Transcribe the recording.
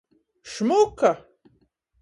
Šmuka!